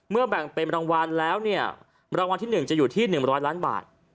แบ่งเป็นรางวัลแล้วเนี่ยรางวัลที่๑จะอยู่ที่๑๐๐ล้านบาท